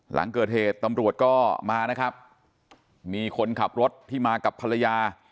หลังเกิดเหตุตำรวจก็มานะครับมีคนขับรถที่มากับภรรยา